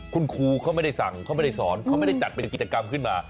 คุณครูเขาไม่ได้สั่งเขาไม่ได้สอนเขาไม่ได้จัดเป็นกิจกรรมขึ้นมา